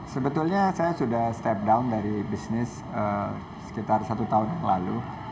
sebetulnya saya sudah step down dari bisnis sekitar satu tahun yang lalu